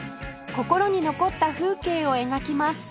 心に残った風景を描きます